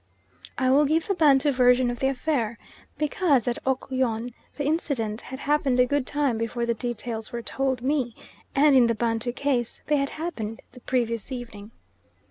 I will give the Bantu version of the affair, because at Okyon the incident had happened a good time before the details were told me, and in the Bantu case they had happened the previous evening.